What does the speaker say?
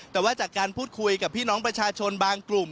แต่ว่าจากการพูดคุยกับพี่น้องประชาชนบางกลุ่ม